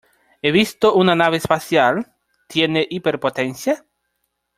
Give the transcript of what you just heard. He visto una nave especial .¿ Tiene hiperpotencia ?